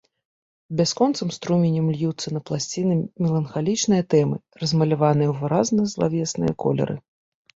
Бясконцым струменем льюцца на пласцінцы меланхалічныя тэмы, размаляваныя ў выразна злавесныя колеры.